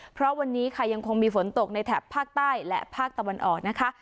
เพราะวันนี้ค่ะยังคงมีฝนตกในแถบภาคใต้และภาคตะวันออกนะคะ